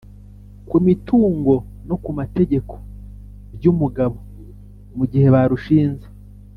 ku mitungo no ku mategeko by’umugabo mu gihe barushinze.